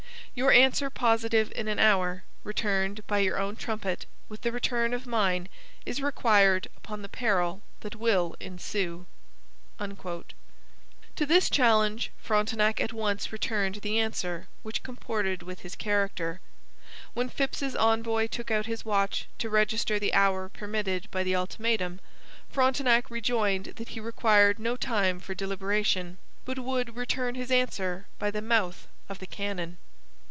Your answer positive in an hour, returned by your own trumpet, with the return of mine, is required upon the peril that will ensue.' To this challenge Frontenac at once returned the answer which comported with his character. When Phips's envoy took out his watch to register the hour permitted by the ultimatum, Frontenac rejoined that he required no time for deliberation, but would return his answer by the mouth of the cannon.